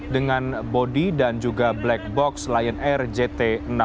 dengan bodi dan juga black box lion air jt enam ratus sepuluh